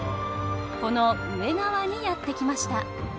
この上側にやって来ました。